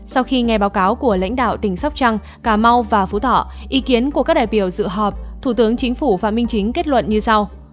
sau khi nghe báo cáo của lãnh đạo tỉnh sóc trăng cà mau và phú thọ ý kiến của các đại biểu dự họp thủ tướng chính phủ phạm minh chính kết luận như sau